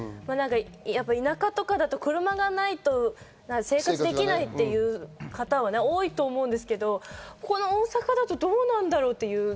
田舎とかだと車がないと生活できないっていう方は多いと思うんですけど、大阪だとどうなんだろう？っていう。